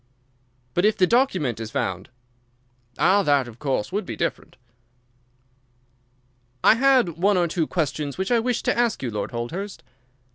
"But if the document is found?" "Ah, that, of course, would be different." "I had one or two questions which I wished to ask you, Lord Holdhurst."